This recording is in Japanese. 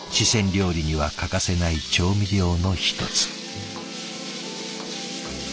料理には欠かせない調味料の一つ。